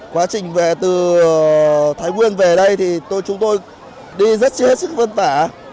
quá trình về từ thái nguyên về đây thì chúng tôi đi rất chết rất vấn vả